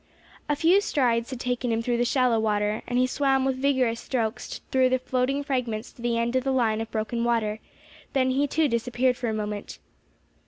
A few strides had taken him through the shallow water, and he swam with vigorous strokes through the floating fragments to the end of the line of broken water; then he too disappeared for a moment.